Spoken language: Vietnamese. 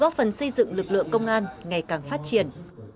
góp phần xây dựng lực lượng công an ngày càng phát triển